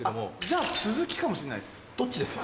じゃあ鈴木かもしれないっす。